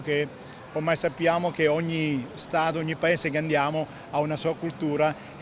dan juga berpikir bahwa mereka akan menemukan suatu kulturnya yang berbeda